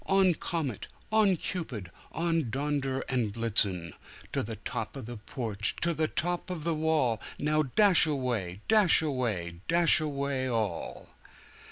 On, Comet! On Cupid! On, Donder and Blitzen! To the top of the porch! to the top of the wall! Now dash away! dash away! dash away all!"